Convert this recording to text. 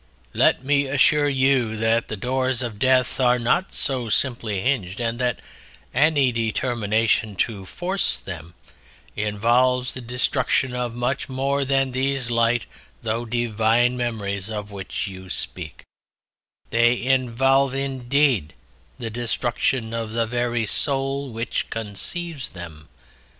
Let me assure you that the doors of death are not so simply hinged, and that any determination to force them involves the destruction of much more than these light though divine memories of which you speak; they involve, indeed, the destruction of the very soul which conceives them.